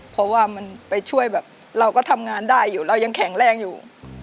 เพราะว่ามันไปช่วยแบบเราก็ทำงานได้อยู่เรายังแข็งแรงอยู่